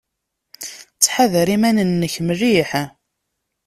Ttḥadar iman-nnek mliḥ.